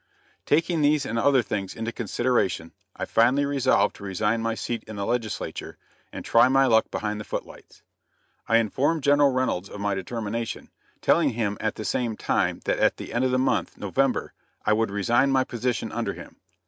Taking these and other things into consideration I finally resolved to resign my seat in the legislature and try my luck behind the footlights. I informed General Reynolds of my determination, telling him at the same time that at the end of the month, November, I would resign my position under him.